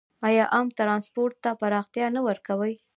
آیا عام ټرانسپورټ ته پراختیا نه ورکوي؟